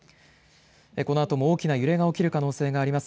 このあとも大きな揺れが起きる可能性があります。